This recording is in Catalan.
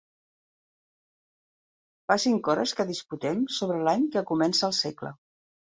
Fa cinc hores que disputem sobre l'any que comença el segle.